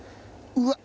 うわっ！